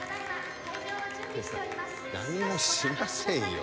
何もしませんよ